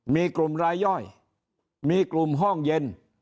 มีกลุ่มรายย่อยมีกลุ่มห้องเย็น